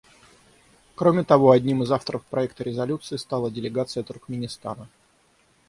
Кроме того, одним из авторов проекта резолюции стала делегация Туркменистана.